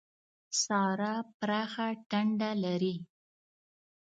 سارا پراخه ټنډه لري.